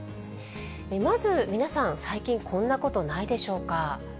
まず皆さん、最近こんなことないでしょうか。